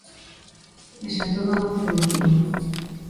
É xa toda unha tradición.